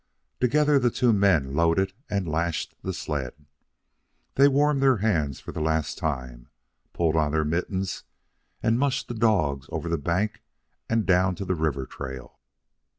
Together the two men loaded and lashed the sled. They warmed their hands for the last time, pulled on their mittens, and mushed the dogs over the bank and down to the river trail.